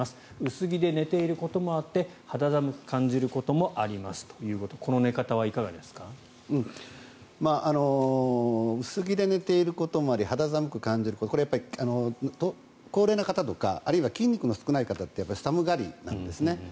薄着で寝ていることもあって肌寒く感じることもありますということで薄着で寝ていることや肌寒く感じるのは高齢の方とかあるいは筋肉の少ない方って寒がりなんですね。